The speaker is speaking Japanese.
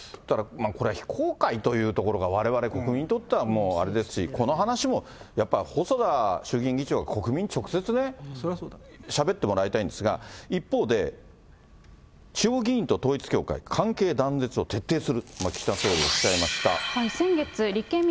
だからこれは非公開というところがわれわれ国民にとってはもうあれですし、この話も細田衆議院議長が国民に直接ね、しゃべってもらいたいんですが、一方で、地方議員と統一教会、関係断絶を徹底する。